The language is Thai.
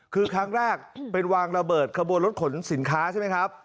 คือครั้งแรกเป็นวางระเบิดขบวนรถขนสินค้าใช่ไหมครับ